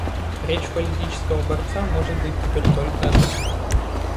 Речь политического борца может быть теперь только одна.